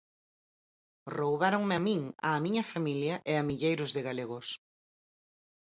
Roubáronme a min, á miña familia e a milleiros de galegos.